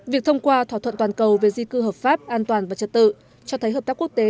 việc thông qua thỏa thuận toàn cầu về di cư hợp pháp an toàn và trật tự cho thấy hợp tác quốc tế